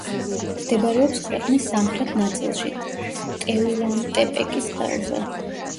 მდებარეობს ქვეყნის სამხრეთ ნაწილში, ტეუანტეპეკის ყელზე.